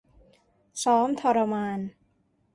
ซ้อมทรมาน